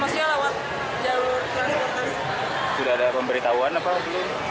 maksudnya lewat jalur transportasi